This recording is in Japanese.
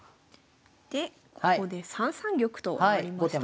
でここで３三玉と上がりました。